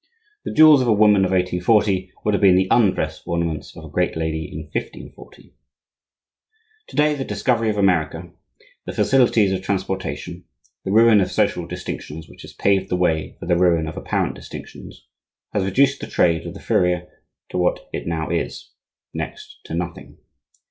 The jewels of a woman of 1840 would have been the undress ornaments of a great lady in 1540. To day, the discovery of America, the facilities of transportation, the ruin of social distinctions which has paved the way for the ruin of apparent distinctions, has reduced the trade of the furrier to what it now is,—next to nothing.